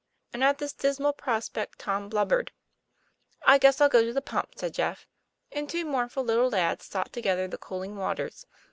And at this dismal prospect Tom blubbered. " I guess I'll go to the pump," said Jeff. And two mournful little lads sought together the cooling waters.